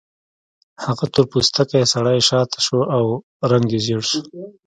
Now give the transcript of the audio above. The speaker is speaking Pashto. هغه تور پوستکی سړی شاته شو او رنګ یې ژیړ شو